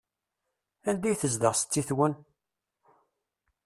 Anda i tezdeɣ setti-twen?